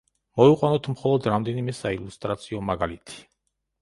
მოვიყვანოთ მხოლოდ რამდენიმე საილუსტრაციო მაგალითი.